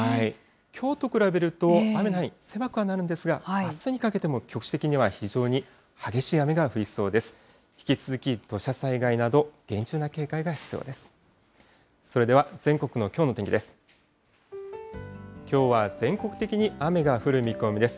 きょうと比べると、雨の範囲、狭くはなるんですが、あすにかけても局地的には非常に激しい雨が降りそうです。